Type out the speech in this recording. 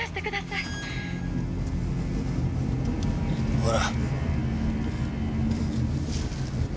ほら。